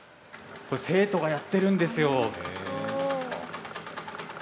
生徒がやっているんですよ。